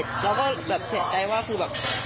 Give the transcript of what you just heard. ส่วนเราอ่านเราก็แบบเราก็เสียใจว่าคือแบบ